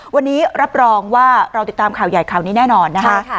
วันนี้รับรองว่าเราติดตามข่าวใหญ่ข่าวนี้แน่นอนนะคะ